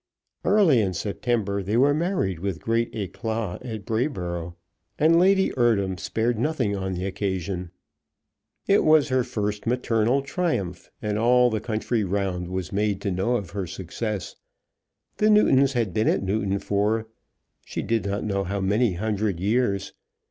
Early in September they were married with great éclat at Brayboro', and Lady Eardham spared nothing on the occasion. It was her first maternal triumph, and all the country round was made to know of her success. The Newtons had been at Newton for she did not know how many hundred years.